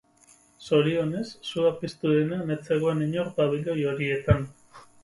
Zorionez, sua piztu denean ez zegoen inor pabiloi horietan.